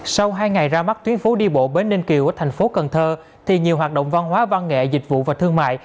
sau hai ngày ra mắt tuyến phố đi bộ bến ninh kiều ở thành phố cần thơ thì nhiều hoạt động văn hóa văn nghệ dịch vụ và thương mại